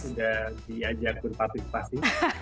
ya sudah diajak berpartisipasi